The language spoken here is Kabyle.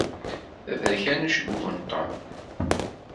D aberkan ucebbub n Tom.